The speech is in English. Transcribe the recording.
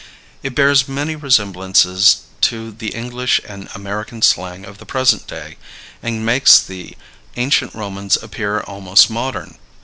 It bears many resemblances to the English and American slang of the present day, and makes the ancient Romans appear almost modern.